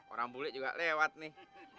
orang bule juga lewat nih